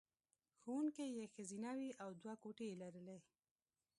ښوونکې یې ښځینه وې او دوه کوټې یې لرلې